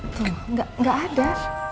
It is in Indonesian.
tuh gak ada